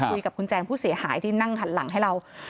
คุยกับคุณแจงผู้เสียหายที่นั่งหันหลังให้เรา